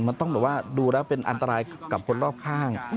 มันต้องแบบว่าดูแล้วเป็นอันตรายกับคนรอบข้าง